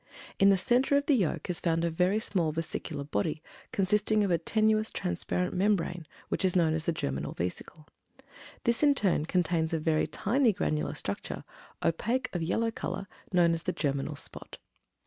In the center of the yolk is found a very small vesicular body consisting of a tenuous transparent membrane, which is known as "the germinal vesicle;" this, in turn, contains a very tiny granular structure, opaque, of yellow color, known as "the germinal spot."